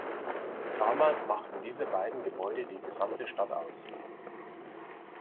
Damals machten diese beiden Gebäude die gesamte Stadt aus.